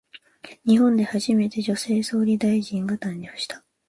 日本で初めて、女性総理大臣が誕生した。